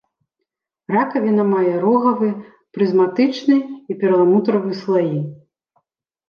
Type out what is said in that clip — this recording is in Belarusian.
Ракавіна мае рогавы, прызматычны і перламутравы слаі.